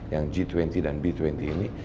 yang g dua puluh dan b dua puluh ini